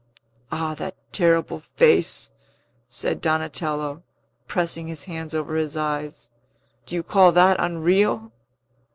"Ah, that terrible face!" said Donatello, pressing his hands over his eyes. "Do you call that unreal?"